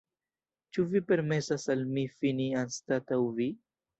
Ĉu vi permesas al mi fini anstataŭ vi?